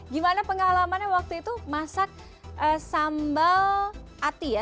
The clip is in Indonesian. gimana pengalamannya waktu itu masak sambal ati ya